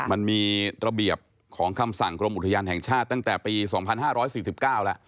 มันมีระเบียบของคำสั่งกรมอุทยานแห่งชาติตั้งแต่ปี๒๕๔๙แล้ว